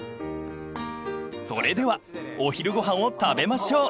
［それではお昼ご飯を食べましょう］